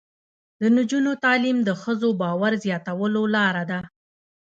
د نجونو تعلیم د ښځو باور زیاتولو لاره ده.